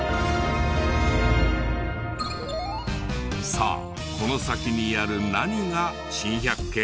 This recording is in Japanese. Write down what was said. さあこの先にある何が珍百景でしょうか？